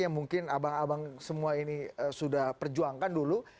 yang mungkin abang abang semua ini sudah perjuangkan dulu